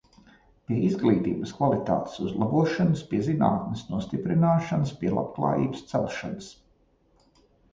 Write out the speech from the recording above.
Pie izglītības kvalitātes uzlabošanas, pie zinātnes nostiprināšanas, pie labklājības celšanas.